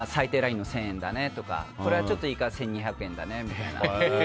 これはちょっといまいちだから最低ラインの１０００円だねとかこれはちょっといいから１２００円だねみたいな。